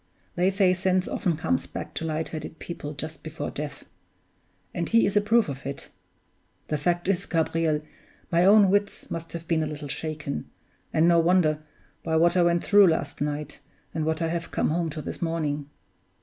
they say sense often comes back to light headed people just before death; and he is a proof of it. The fact is, Gabriel, my own wits must have been a little shaken and no wonder by what I went through last night, and what I have come home to this morning.